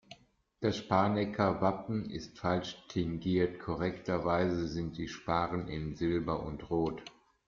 Das Sparnecker Wappen ist falsch tingiert, korrekterweise sind die Sparren in Silber und Rot.